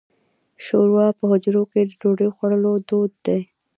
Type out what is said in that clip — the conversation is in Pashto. شوروا په حجرو کې د ډوډۍ خوړلو دود دی.